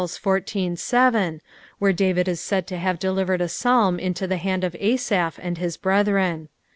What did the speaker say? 7, tehere Daaid is said to have delivered a Psalm into the hand of Asaph and his brethren.